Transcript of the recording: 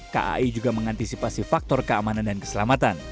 kai juga mengantisipasi faktor keamanan dan keselamatan